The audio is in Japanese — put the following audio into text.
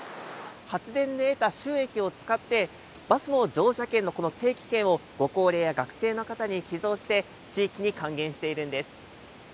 発電で得た収益を使って、バスの乗車券の定期券をご高齢や学生の方に寄贈して地域に還元しているんです。